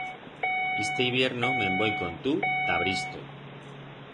Iste hibierno me'n voi con tu ta Bristol.